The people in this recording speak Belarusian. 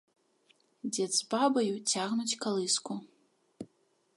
Дзед з бабаю цягнуць калыску.